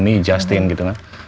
me justin gitu kan